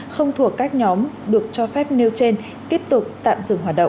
không thuộc các nhóm được cho phép nêu trên tiếp tục tạm dừng hoạt động